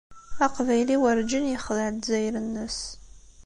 Aqbayli werǧin yexdaɛ Lezzayer-nnes.